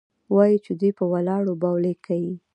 وايي چې دوى په ولاړو بولې کيې.